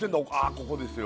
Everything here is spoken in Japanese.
ここですよ